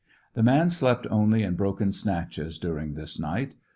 The man slept only in broken snatches during this night.